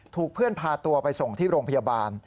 เพื่อนพาตัวไปส่งที่โรงพยาบาล